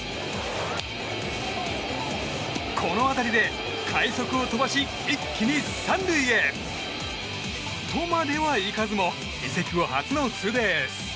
この当たりで快足を飛ばし一気に３塁へ。とまではいかずも移籍後初のツーベース。